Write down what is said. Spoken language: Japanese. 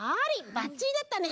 ばっちりだったね！